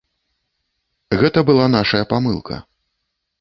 Гэта была нашая памылка.